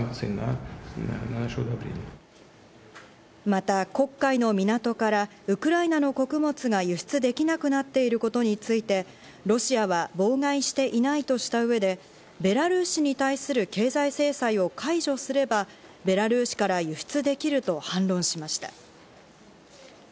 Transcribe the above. また、黒海の港からウクライナの穀物が輸出できなくなっていることについて、ロシアは妨害していないとした上でベラルーシに対する経済制裁を解除すれば、ベラルーシから輸出できると反論しました。